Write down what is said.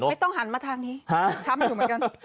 ไม่ต้องหันมาทางนี้ช้ำอยู่เหมือนกัน